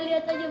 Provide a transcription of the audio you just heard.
seperti tahu ya